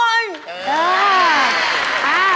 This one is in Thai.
ค่ะ